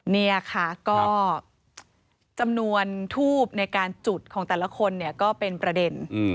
นี่ค่ะก็จำนวนทูบในการจุดของแต่ละคนเนี่ยก็เป็นประเด็น